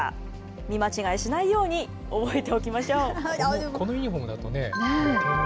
見間違えしないように、覚えておきましょう。